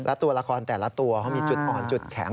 แล้วตัวละครแต่ละตัวเขามีจุดอ่อนจุดแข็ง